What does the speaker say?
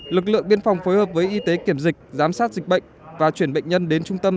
lực lượng biên phòng phối hợp với y tế kiểm dịch giám sát dịch bệnh và chuyển bệnh nhân đến trung tâm